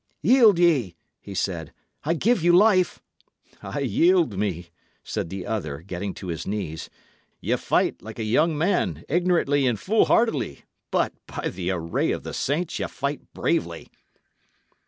"Yield ye!" he said. "I give you life." "I yield me," said the other, getting to his knees. "Ye fight, like a young man, ignorantly and foolhardily; but, by the array of the saints, ye fight bravely!"